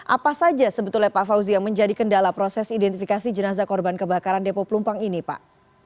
apa saja sebetulnya pak fauzi yang menjadi kendala proses identifikasi jenazah korban kebakaran depo pelumpang ini pak